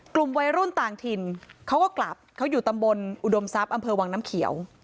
กลุ่มวัยรุ่นต่างถิ่นเขาก็กลับเขาอยู่ตำบลอุดมทรัพย์อำเภอวังน้ำเขียว